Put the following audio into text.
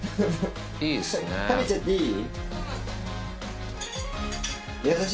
食べちゃっていい？